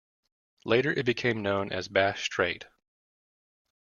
Later it became known as Bass Strait.